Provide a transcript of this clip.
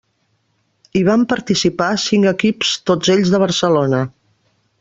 Hi van participar cinc equips, tots ells de Barcelona.